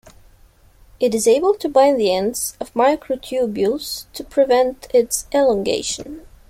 It is able to bind to the ends of microtubules to prevent its elongation.